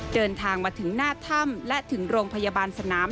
เดินทางมาถึงหน้าถ้ำและถึงโรงพยาบาลสนาม